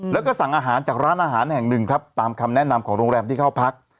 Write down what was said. แล้วก็สั่งอาหารจากร้านอาหารแห่งหนึ่งครับตามคำแนะนำของโรงแรมที่เข้าพัก